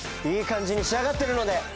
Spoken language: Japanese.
いい感じに仕上がってるので。